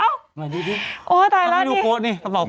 โอ้ยตายแล้วนี่ต้องไปดูโค้ดนี่ระเป๋าโค้ด